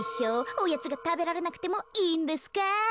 おやつがたべられなくてもいいんですか？